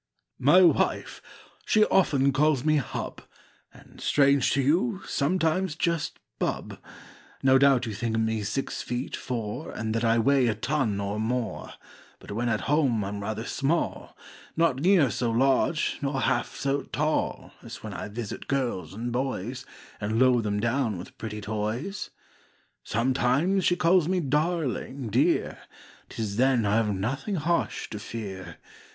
Copyrighted, 1897. Y wife, she often calls me hub, ^ And, strange to you, sometimes just bub, No doubt you think me six feet, four, And that I weigh a ton or more, But when at home I'm rather small, Not near so large nor half so tall As when I visit girls and boys And load them down with pretty toys." r '' Vx . J '•^ >A'>>JiA I' Vr 7:««ink Copyrighted I8i*7 OMETIMES she calls me darling, dear, Tis then I've nothing harsh to fear.